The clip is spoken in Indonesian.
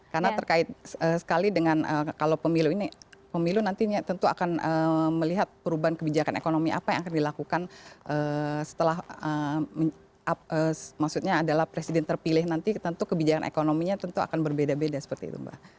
karena terkait sekali dengan kalau pemilu ini pemilu nantinya tentu akan melihat perubahan kebijakan ekonomi apa yang akan dilakukan setelah presiden terpilih nanti tentu kebijakan ekonominya tentu akan berbeda beda seperti itu mbak